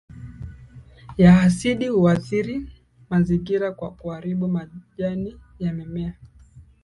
ya asidi huathiri mazingira kwa kuharibu majani ya mimea